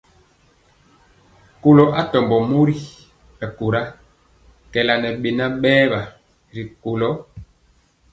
Kɔlo atɔmbɔ mori mɛkóra kɛɛla ŋɛ beŋa berwa ri kula.